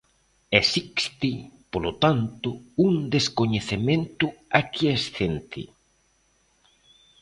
Existe, polo tanto, un descoñecemento aquiescente.